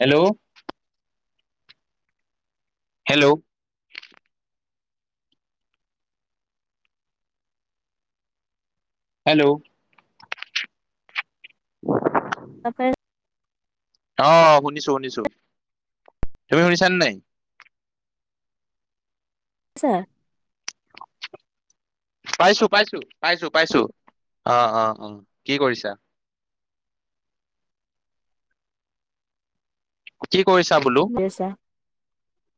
Hello hello hello অঁ শুনিছো শুনিছো তুমি শুনিছানে নাই ছ [unintelligible] পাইছো পাইছো পাইছো পাইছো অ অ কি কৰিছা আ [unintelligible] কৈছা বোলো [inaudible]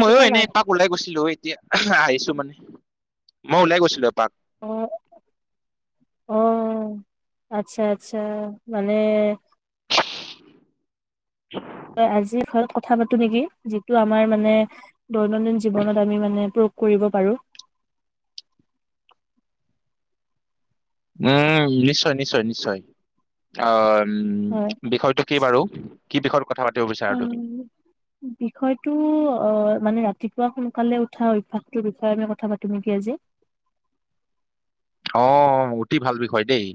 ময়ো তোমাৰ এনেই মাত এপাক ওলাই গৈছিলো এ এতিয়া আহিছো মানে মই ওলাই গৈছিলো এপাক অ অ আচ্ছা আচ্ছা মানে হয় [inaudible] আজিৰ ঘৰত কথা পাতো নেকি যিটো আমাৰ মানে দৈনন্দিন জীৱনত আমি মানে কৰিব পাৰো উম নিশ্চয় নিশ্চয় নিশ্চয় অ উম হয়। বিষয়টো কি বাৰু কি পেশৰ [unintelligible] অ বিষয়টো অ মানে ৰাতিপুৱা সোনকালে উঠা অভ্যাসটোৰ বিষয়ে আমি কথা পাতো নেকি আজি অ অতি ভাল বিষয় দেই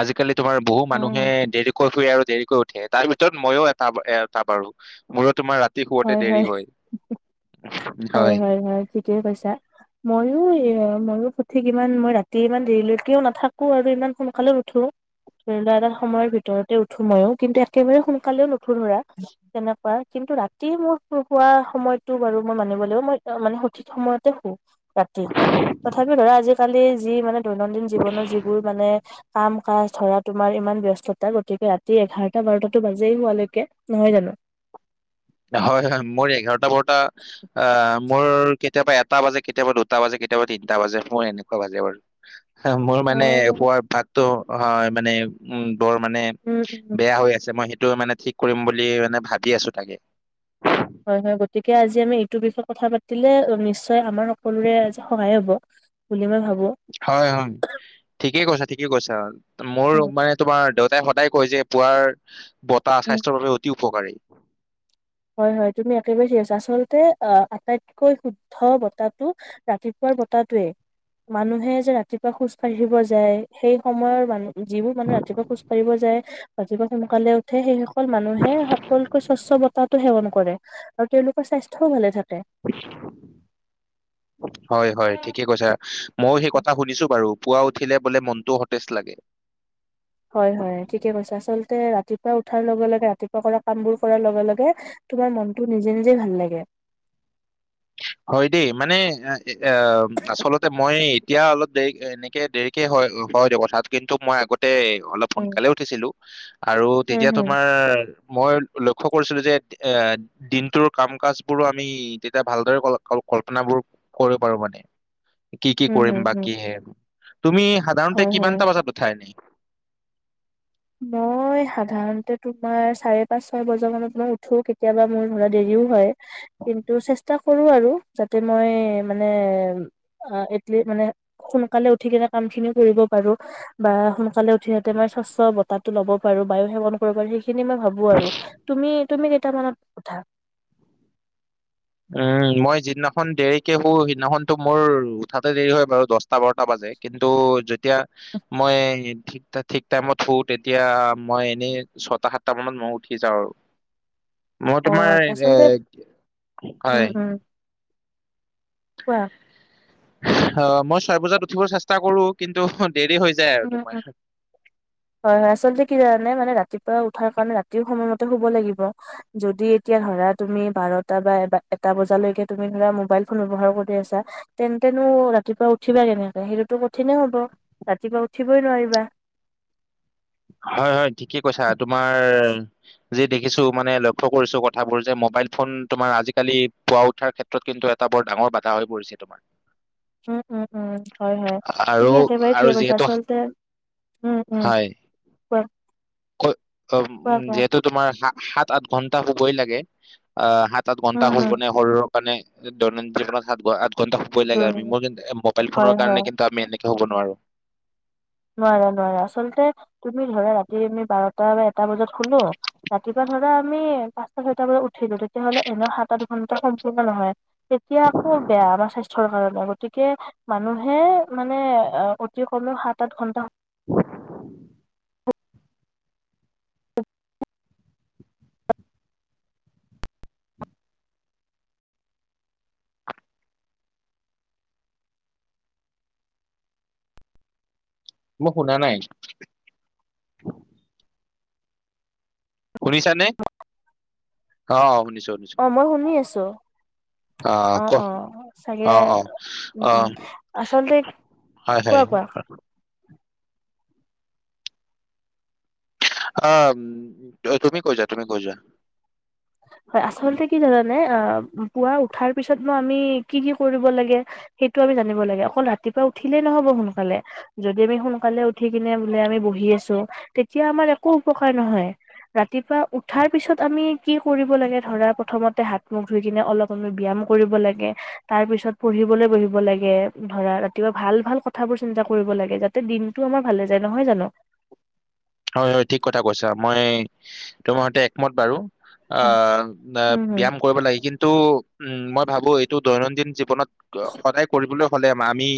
আজিকালি তোমাৰ বহু মানুহে অ', দেৰিকৈ ফুৰে আৰু দেৰিকৈ উঠে উঠে তাৰ ভিতৰত মইয়ো এটা এটা বাৰু মূৰত হয় হয়, হয় হয় হয় ঠিকেই কৈছা ময়ো। অ ময়ো সঠিক ইমান মই ৰাতি ইমান দেৰিলৈকেও নাথাকো আৰু ইমান সোনকালেও নুঠো ধৰি লোৱা এটা সময়ৰ ভিতৰতে উঠো মইো কিন্তু একেবাৰে সোনকালেও নুঠো ধৰা তেনেকুৱা কিন্তু ৰা। [unintelligible] সময়তটো বাৰু মই মানিব লাগিব মই মানে সঠিক সময়তে শোও। [unintelligible] তথাপি ধৰা আজি। ছোৱালী যি মানে। দৈনন্দিন জীৱনৰ যিবোৰ মানে কাম। কাজ ধৰা তোমাৰ ইমান ব্যস্ততা গতিকে ৰাতি এঘাৰটা-বাৰটাটো বাজেই শোৱালৈকে নহয় জানো। হয়-হয় মোৰ এঘাৰটা বাৰটা অহ। মোৰ কেতিয়াবা এটা বাজে কেতিয়াবা দুটা বাজে কেতিয়াবা তিনটা বাজে মোৰ এনেকুৱা বাজে বাৰু। মোৰ মানে উম পুৱাৰ অভ্যাসটো। হয় মানে উম। বৰ মানে উম বেয়া হৈ আছে মই সেই। টো মানে ঠিক কৰিম বুলি মানে ভাবি আছো তাকে। হয়-হয় গতিকে আজি আমি এইটোৰ বিষয়ে কথা পাতিলে নিশ্চয় তে আমাৰ সকলোৰে আজি সহায় হ'ব। বুলি মই ভাবো। হয়-হয় ঠিকেই কৈছা। ঠিকই কৈছা। মোৰ উম ৰোম মানে তোমাৰ দেউতাই। তাই কয় যে পুৱাৰ। বতাহ স্বাস্থৰ বাবে অতি উ। উপকাৰী। হয়-হয় তুমি একেবাৰে আছা আচলতে অহ আটাইতকৈ শুদ্ধ বতাহটো ৰাতিপুৱাৰ বতাতোৱে। মানুহে যে ৰাতিপুৱা খোজ কাঢ়িব যায় সেই সময়ৰ মানুহ। যিবোৰ মানুহ ৰাতিপুৱা খোজ কঢ়িব যায়। ৰাতি পুৱা সোনকালে উঠে। সেই মানুহে সকল ক স্বচ্ছ। তাতো সেৱন কৰে আৰু তেওঁলোকৰ স্বাস্থ্যও ভালে থাকে। হয়-হয় ঠিকেই কৈচা ময়ো সেই কথা সুধিছো বাৰু। পুৱা উঠিলে বোলে মনটো সতেজ লাগে। হয়-হয় ঠিকেই কৈছে আচলতে ৰাতিপুৱা উঠাৰ লগে-লগে ৰাতিপুৱা কৰা কাম বোৰ কৰাৰ লগে-লগে তোমাৰ মনটো নিজে নিজে ভাল লাগে। হয় দেই মানে। এ আচলতে মই। এতিয়া অলপ দেৰি এনেকে দেৰিকে হয়-হয় দেখোন কথাত কিন্তু মই আগতে। অলপ উম সোনকালে উঠিছিলো। আৰু হম তেতিয়া হম তোমাৰ। মই লক্ষ্য কৰিছিলো যে এ দিনটোৰ কাম কাজ বোৰো আমি তেতিয়া ভাল। কল্পনাবোৰ কৰিব পাৰো মানে। কি-কি হম হম কৰিম বা হম কিহে? তুমি সাধাৰণতে হয় হয় কিমানটা বজাত উঠা এনেই। মই সাধাৰণতে তোমাৰ চাৰে পাঁচ ছয় বজা মানত মই উঠো কেতিয়াবা মোৰ ধৰা দেৰিও হয়। কিন্তু চেষ্টা কৰোঁ আৰু যাতে মই মানে এটলি মানে সোনকালে উঠি কিনে কামখিনি কৰিব পাৰো বা সোনকালে সিহঁতে মানে স্ব্ছ তাতো ল'ব পাৰো বায়ু সেৱন কৰিবা সেইখিনি মই ভাবো আৰু তুমি তুমি কেইটামানত উঠা? এম মই যিদিনাখন দেৰিকে শো সিদিনাখনতো মোৰ উঠাতে দেৰি হয় বাৰু দশটা বাৰটা বাজে কিন্তু এতিয়া মই ঠিক ঠিক টাইমত শো তেতিয়া মই এনেই ছয়টা সাতটা মানত মই উঠি যাওঁ আৰু মই অ তোমাৰ এ আচলতে উম হয়। উম কোৱা অঁ মই ছয় বজাত উঠিব চেষ্টা কৰো কিন্তু দেৰি হৈ যায় আৰু উম তোমাৰ উম, হয় হয় আচলতে কি জানানে ৰাতিপুৱা উঠাৰ কাৰণে ৰাতিও সময়মতে শুব লাগিব যদি এতিয়া ধৰা তুমি বাৰটা বা এ এটা বজালৈকে তুমি ধৰা মোবাইল ফোন ব্যবহাৰ কৰি আছা তেন্তেনো ৰাতিপুৱা উঠিবা কেনেকে সেইটোতো কঠিনে হব ৰাতিপুৱা উঠিবই নোৱাৰিবা। হয় হয় ঠিকে কৈছা তোমাৰ যি দেখিছো মানে লক্ষ্য কৰিছো কথাবোৰ যে মোবাইল ফোন তোমাৰ আজিকালি পোৱা উঠাৰ ক্ষেত্ৰত কিন্তু এটা বৰ ডাঙৰ বাধা হৈ পৰিছে তোমাৰ উম উম উম হয় হয় আৰু তুমি একেবাৰে আৰু ঠিকেই কইছা যিহেতু আচলতে, উম উম। [inaudible] ঐ অম কোৱা কোৱা যিহেতু তোমাৰ সাত আঠ ঘন্টা হুবই লাগে, আহ সাত তাত ঘন্টা উম শু হম বনাই শৰীৰৰ [unintelligible] দৈনন্দিন জীৱনত সাত আঠ ঘণ্টা শুৱই লাগে আমি জৰুৰী মোৰ মো মবাইল হয় ফোনৰ হয়। কাৰণে কিন্তু আমি এনেক শুব নোৱাৰো। নোৱাৰা নোৱাৰা আচলতে তুমি ধৰা ৰাতি আমি বাৰটা বা এটা এটা বজাত শুলো ৰাতিপুৱা ধৰা আমি পাঁচটা ছয়টা বজাত উঠিলো তেতিয়াাহলে এনেও সাত আঠ ঘণ্টা সম্পূৰ্ণ নহয় তেতিয়া আকৌ বেয়া আমাৰ স্বাস্থ্যৰ কাৰণে গতিকে মানুহে, মানে অতি কমেও সাত আঠ ঘণ্টা মই শুনা নাই। শুনিছা নে? অ শুনিছ মই শুনি আছোঁ। অ', অ', অ চাগে। অ উম, অ উম। আচলতে হয় হয় কোৱা কোৱা। অ', তুমি কৈ যোৱা, তুমি কৈ যোৱা। হয়, আচলতে কি জানা নে? পুৱা উঠাৰ পিছতনো আমি কি কি কৰিব লাগে, সেইটো আমি জানিব লাগে। অকল ৰাতিপুৱা উঠিলেই নহ'ব। সোনকালে যদি আমি উঠি কেনেবাকৈ বহি আছোঁ, তেতিয়া আমাৰ একো উপকাৰ নহয়। ৰাতিপুৱা উঠাৰ পিছত আমি কি কৰিব লাগে? ধৰা, প্ৰথমতে হাত-মুখ ধুই কিনে অলপ ব্যায়াম কৰিব লাগে। তাৰ পিছত পঢ়িবলৈ বহিব লাগে। ধৰা, ৰাতিপুৱা ভাল ভাল কথাবোৰ চিন্তা কৰিব লাগে, যাতে দিনটো আমাৰ ভালে যায়। নহয় জানো? হয় হয় ঠিক কথা কৈছা মই তোমাৰ সৈতে একমত বাৰু। উম উম উম ব্যায়াম কৰিব লাগেই, কিন্তু ত'তো উম, মই ভাবোঁ এইটো দৈনন্দিন জীৱনত অনেক কৰিবলৈ হ'লে আমি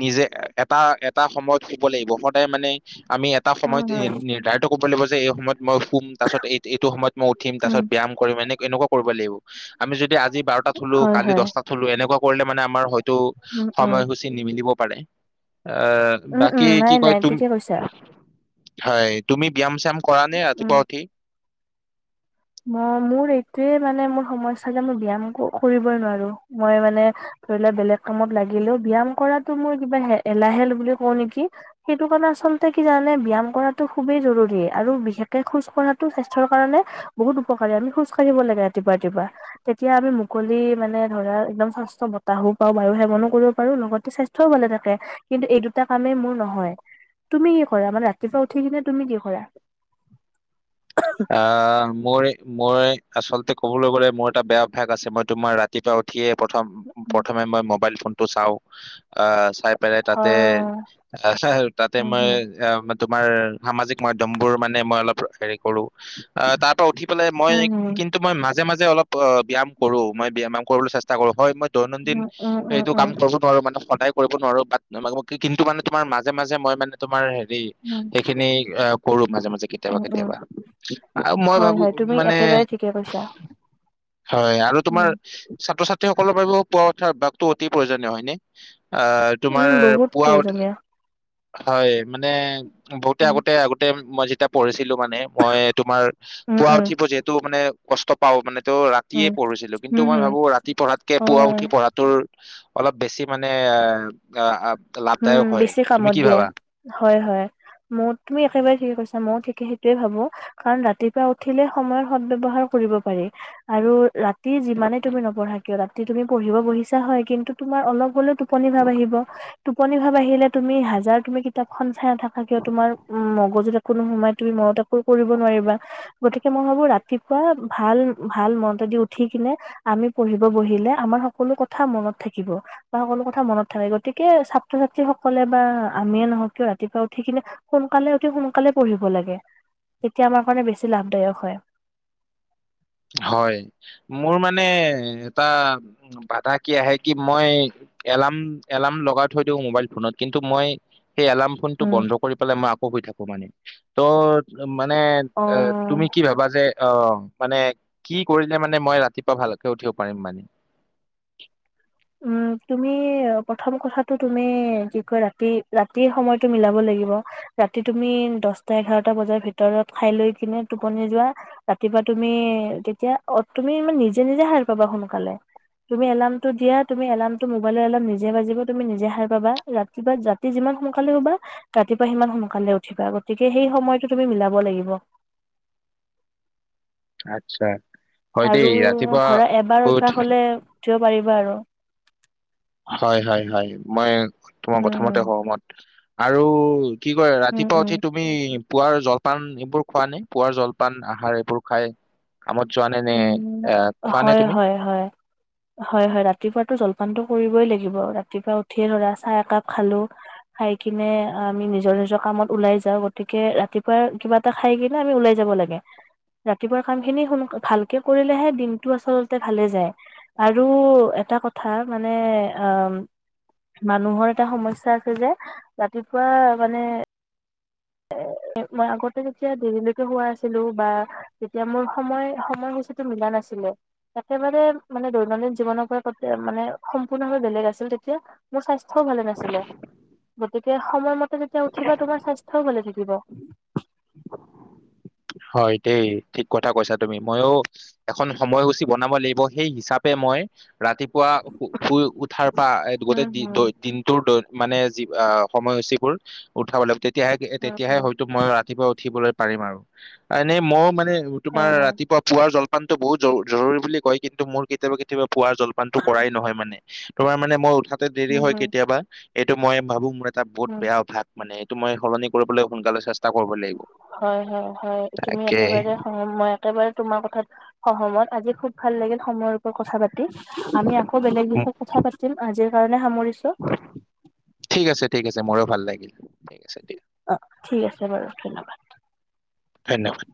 নিজে। এটা, এটা সময়ত। লাগিব, সদায় মানে। আমি এটা উম সময়ত। এ উম [unintelligible] কৰলৈ গৈছে এ সময়ত? মই শুম। তাৰ পাছত এইটো এইটো সময়ত মই উঠিম। তাৰ উম পাছত ব্যায়াম কৰিম, এনে এনেকুৱা কৰিব লাগিব। আমি যদি আজি বাৰটাত শুলোঁ, হয় কালি হয় দহটাত শুলোঁ, এনেকুৱা। কৰিলে মানে আমাৰ হয়। উম উম সময়সূচী নিমিলিব। পাৰে। আহ, উম, উম, বাকী কি নাই কয় নাই তুম। ঠিকে কৈছা। হয়। তুমি ব্যায়াম-শাম কৰা নে উম, ৰাতিপুৱা উঠি। সমস্া যে মই ব্যয়াম কৰিবই নোৱাৰো মই মানে ধৰি লোৱা বেলেগ কামত লাগিলেও ব্য্য়াম কৰাতটো মই কিবা এলাহেল বুলি কওঁ নেকি সেইটো কাৰণে আচলতে কি জানা নে ব্যয়াম কৰাটো খুবেই জৰুৰী আৰু বিশেষকে খোজ কঢ়াতটো স্বাস্থ্্যৰ কাৰণে। বহুত উপকাৰী। আমি খোজ কঢ়িব লাগে ৰাতিপুৱা ৰাতিপুৱা। তেতিয়া আমি মুকলি, মানে ধৰা, একদম স্বাস্থ্যকৰ বতাহো পাওঁ। বাৰু, সেৱনো কৰিব পাৰোঁ। লগতে স্বাস্থ্যও ভালে থাকে। কিন্তু এই দুটা কামেই মোৰ নহয়। তুমি কি কৰা? মানে, ৰাতিপুৱা উঠি কিনে তুমি কি কৰা? অঁ, মূৰে মই আচল্ততে ক'বলৈ গ'লে মোৰ এটা বেয়া অভ্যাস আছে মই তোমাৰ ৰাতিপুৱা উঠিয়ে প্ৰথমে, প্ৰথমে এবাৰ মোবাইল চিম। তটো চাও, আহ। চাই পালে, তাতেই, হয় আচলতে তাতেই উম মই। হুম তোমাৰ সামাজিক মাধ্্যমবোৰ মানে মই অলপ হেৰি কৰোঁ। অ তাৰ পৰা উঠি পেলাই মই, উম হুম। কিন্তু মই ম। মাজে মাজে অলপ অ ব্যামো, মই ব্যায়াম কৰিবলৈ চেষ্টা কৰোঁ। হয় মই দৈনন্দিন উম উম উম এইটো কাম উম কৰিব নোৱাৰো মানে, সদায়। কৰিব নোৱাৰোঁ। কিন্তু, মানে তোমাৰ, মাজে মাজে মই, মানে তোমাৰ। উম সেইখিনি কৰো মাজে মাজে কেতিয়াবা উম উম কেতিয়াবা। আৰু মই হয় ভাবো হয় তুমি মানে একেবাৰে ঠিকে কৈছা হয় আৰু তোমাৰ উম। ছাত্ৰ ছাত্ৰীসকলৰ বাবে উঠাৰ ভাগতটো অতি প্ৰয়োজনীয় হয় ন। আ', তোমাৰ উম বহুত পুৱা উতে প্ৰয়োজনীয় হয়। মানে বহুতে উম আগতে আগতে মই যেতিয়া পঢ়িছিলো মানে তোমাৰ উম পোৱা উম উঠিব যিহেতু মানে কষ্ট পাওঁ মানে ত' ৰাতিয়ে উম পঢ়িছিলো কিন্তু উম মই হুম ভাবো ৰাতি পঢ়াতকে পুৱা অ উঠি পঢ়াটোৰ অলপ বেছি মানে এ উম বেছি কামত দিয়ে। হয় হয় মোৰ তুমি একেবাৰে ঠিকে কৈছা ময়ো ঠিকে সেইটোয়ে ভাবো কাৰণ ৰাতিপুৱা উঠিলে সময়ৰ সদ্ ব্যৱহাৰ কৰিব পাৰি আৰু ৰাতি যিমানে তুমি নপঢ়া কিয় ৰাতি তুমি পঢ়িব বহিছা হয় কিন্তু তুমাৰ অলপ গলে টোপনি ভাব আহিব। টোপনি ভাব আহিলে তুমি হাজাৰ তুমি কিতাপখন চাই নাথাক কিয় তোমাৰ উম মগজুত কোনো সময় তুমি মনত একো কৰিব নোৱাৰিবা, গতিকে মই ভাবো ৰাতিপুৱা ছাত্ৰ ছাত্ৰী সকলে বা আমিয়ে নহওক কিয় ৰাতিপুৱা উঠি কিনে সোনকালে উঠি সোনকালে পঢ়িব লাগে তেতিয়া আমাৰ কাৰণে বেছি লাভদায়ক হয়। হয় মোৰ মানে এটা বাধা কি আহে কি মই এলাৰ্ম এলাৰ্ম লগাই থৈ দিওঁ মোবাইল ফোনত কিন্তু মই। সেই এলাৰ্ম ফোনটো উম। বন্ধ কৰি পেলাই মই আকৌ শুই থাকো মানে। ত মানে আ', অ', তুমি কি ভাবা যে অ', মানে। কি কৰিলে মানে মই ৰাতিপুৱা ভালকে উঠিব পাৰিম মানে। উম তুমি প্ৰথম কথাটো তুমি কি কয় ৰাতি ৰাতিৰ সময়তটো মিলাব লাগিব ৰাতি তুমি দহটা এঘাৰটা বজাৰ ভিতৰত খাই লৈ কিনে টোপনি যোৱা ৰাতিপুৱা তুমি তেতিয়া অ তুমি ই নিজে নিজে সাৰ পাবা সোনকালে, তুমি এলাৰ্মটো দিয়া তুমি এলাৰ্মটো মোবাইল এলাৰ্ম নিজে বাজিবা তুমি নিজে হাৰ পাবা ৰাতিপুৱা ৰাতি যিমান সোনকালে হুবা ৰাতিপুৱা সিমান সোনকালে উঠিবা গতিকে সেই সময়তটো তুমি মিলাব লাগিব। আচ্ছা। হয় দেই আৰু ৰাতিপুৱা ধৰা এবাৰ উঠ অভ্যাস হলে উঠিব পাৰিবা আৰু। হয', হয', হয', মই তোমাৰ উম কথাামতে সহমত। আৰু কি কৰে উম ৰাতিপুৱা উম উম। উঠি তুমি পুৱাৰ জলপান এইবোৰ খোৱা নাই পুৱাৰ জলপান আহাৰ এইবোৰ খাই কামত যোৱা নে নে উম', আহ খোৱা নে হয', তুমি? হয', হয়', হয', হয়', ৰাতিপুৱাাতটো জলপানটো কৰিবই লাগিব ৰাতিপুৱা উঠিয়ে ধৰা চাহ একাপ খালো খাই কিনে আমি নিজৰ নিজৰ কামত ওলাই যাওঁ গতিকে ৰাতিপুৱা কিবা এটা খাই কিনে আমি ওলাই যাব লাগে ৰাতিপুৱা কাম খিনি সোন ভালকে কৰিলেহে দিনটো আচলতে ভালে যায় আৰু এটা কথা মানে আহ মানুহৰ এটা সমস্যা আছে যে ৰাতিপুৱা মানে এ মই আগতে যেতিয়া দেৰিলৈকে হোৱা আছিলো বা যেতিয়া মোৰ সময় সময়সূচীো মিলা নাছিলে একেবাৰে মানে দৈনন্দিন জীৱনৰ পৰা মানে সম্পূৰ্ণভাৱে বেলেগ আছিল তেতিয়া মোৰ স্বাস্থ্য়ও ভালে নাছিলে গতিকে সময়মতে যেতিয়া উঠিবা তোমাৰ স্বাস্থ্য থৈ গলে থাকিব। হয় দেই ঠিক কথা কৈছা তুমি ময়ো এখন সময়সূচী বনাব লাগিব সেই হিচাপে মই ৰাতিপুৱা শু শুই উঠাৰ পৰা উম, গোটেই হুম, দিনটোই দিনটোৰ লৈ মানে যি আ সময়সূচীবোৰ উঠাবলৈ- তেতিয়াহে উম, তেতিয়াহে উম, হয়তো মই ৰাতিপুৱা উঠিবলৈ পাৰিম আৰু। এনে মই মান নে তোমাৰ হয়, হয়, ৰাতিপুৱা পুৱাৰ জল পানটো বহুত জৰু-জৰুৰী বুলি কয় কিন্তু মোৰ কেতিয়াবা কেতিয়াবা পুৱা জলপানটো কৰাই নহয় মানে। তোমাৰ মানে মই উঠাত, তে দেৰি উম, হয় হুম, কেতিয়াবা। এইটো মই ভাবো মোৰ টা বহুত উম, বেয়া অভ্যাস মানে তুমি সলনি কৰিবলৈ সোনকালে চেষ্ট হয়-হয়, হয় তুমি তাকে একেবাৰে সহ মই একেবাৰে তোমাৰ কথাত সহমত। আজি খুব ভাল লাগিল সময়ৰ ওপৰত কথা পাত, আমি আকৌ বেলেগ বিষয়ত কথা পাতিম আজি। ঠিক আছে ঠিক আছে ময়ো, ভাল লাগিল। ঠিক আছে দিয়া অ ঠিক আছে বাৰু ধন্যবাদ। ধন্যবাদ।